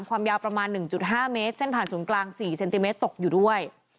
ความยาวประมาณหนึ่งจุดห้าเมตรเส้นผ่านศูนย์กลางสี่เซนติเมตรตกอยู่ด้วย